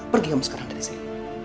pergi kamu sekarang dari sini